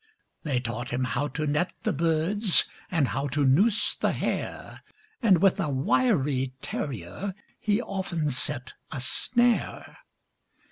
They taught him how to net the birds, And how to noose the hare; And with a wiry terrier, He often set a snare.